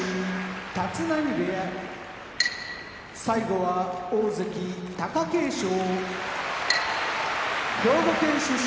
立浪部屋大関・貴景勝兵庫県出身